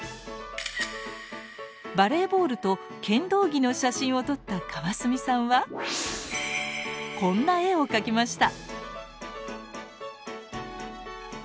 バレーボールと剣道着の写真を撮った川住さんはこんな絵を描きました。